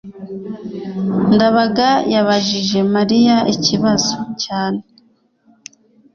ndabaga yabajije mariya ikibazo cyane